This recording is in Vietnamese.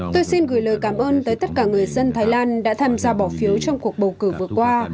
tôi xin gửi lời cảm ơn tới tất cả người dân thái lan đã tham gia bỏ phiếu trong cuộc bầu cử vừa qua